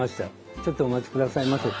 ちょっとお待ちくださいませ。